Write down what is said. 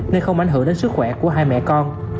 nên không ảnh hưởng đến sức khỏe của hai mẹ con